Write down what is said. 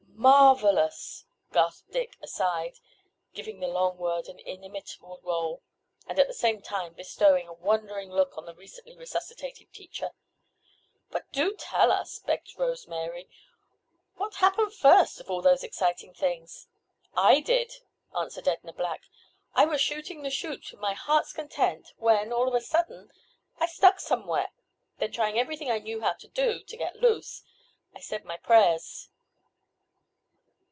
"Mar vel ous!" gasped Dick, aside, giving the long word an inimitable roll, and, at the same time, bestowing a wondering look on the recently resuscitated teacher. "But do tell us," begged Rose Mary, "what happened first—of all those exciting things?" "I did," answered Edna Black. "I was shooting the chute to my heart's content, when, all of a sudden, I stuck somewhere. Then, after trying everything I knew how to do to get loose, I said my prayers."